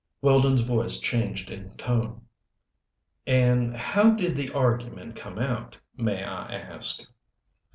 Weldon's voice changed in tone. "And how did the argument come out, may I ask."